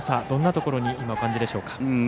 どんなところにお感じでしょうか。